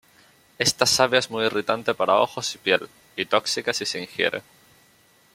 Esta savia es muy irritante para ojos y piel, y tóxica si se ingiere.